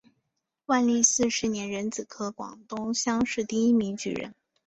万历四十年壬子科广东乡试第一名举人。